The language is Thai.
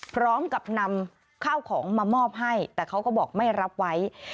พร้อมกับนำข้าวของมามอบให้แต่เขาก็บอกไม่รับไว้